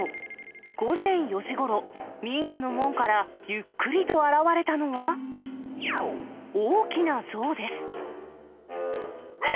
午前４時ごろ、民家の門からゆっくりと現れたのは、大きなゾウです。